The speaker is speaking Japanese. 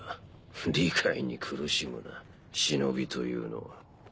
理解に苦しむな忍というのは。